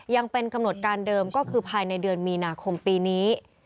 ยังเป็นกำหนดการเดิมก็คือภายในเดือนมีนาคมปีนี้